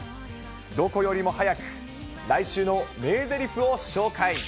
どこよりも早く来週の名ぜりふを紹介。